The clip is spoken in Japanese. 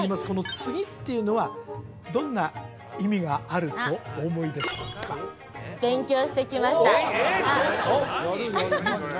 この「次」っていうのはどんな意味があるとお思いでしょうか？